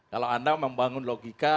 kalau anda membangun logika